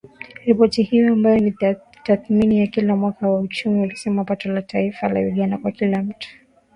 Ripoti hiyo ambayo ni tathmini ya kila mwaka ya uchumi ilisema pato la taifa la Uganda kwa kila mtu